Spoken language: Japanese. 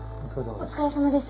お疲れさまです。